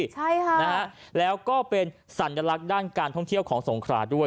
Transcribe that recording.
ใช่ค่ะนะฮะแล้วก็เป็นสัญลักษณ์ด้านการท่องเที่ยวของสงขราด้วย